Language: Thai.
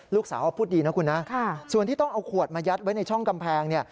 ลูกสาวเขาพูดดีนะคุณนะส่วนที่ต้องเอาขวดมายัดไว้ในช่องกำแพง